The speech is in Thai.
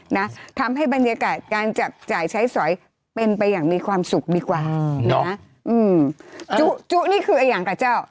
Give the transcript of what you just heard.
นะทำให้บรรยากาศการจับจ่ายใช้สอยเป็นไปอย่างมีความสุขดีกว่านะอืมจุจุนี่คือไออย่างกับเจ้า